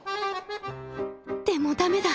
でもダメだ！